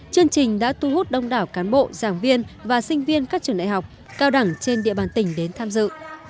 chương trình đã thu hút đông đảo cán bộ giảng viên và sinh viên các trường đại học cao đẳng trên địa bàn tỉnh đến tham dự